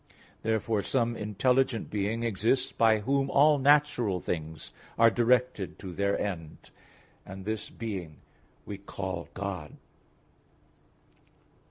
Therefore some intelligent being exists by whom all natural things are directed to their end; and this being we call God.